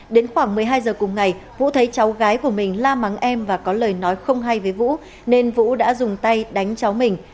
đến khoảng một mươi hai giờ cùng ngày vũ thấy cháu gái của mình la mắng em và có lời nói không hay với vũ nên vũ đã dùng tay đánh cháu mình